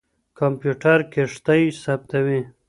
کمپيوټر کښتۍ ثبتوي.